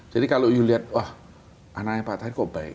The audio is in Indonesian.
jadi kalau anda lihat wah anaknya pak tahir kok baik